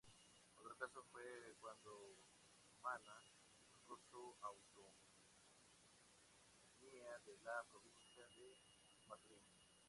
Otro caso fue cuando Cumaná busco su autonomía de la provincia de Maturín.